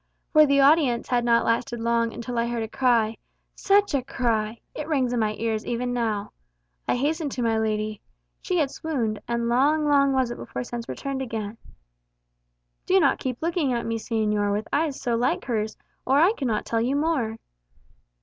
For the audience had not lasted long until I heard a cry such a cry! it rings in nay ears even now. I hastened to my lady. She had swooned and long, long was it before sense returned again. Do not keep looking at me, señor, with eyes so like hers, or I cannot tell you more."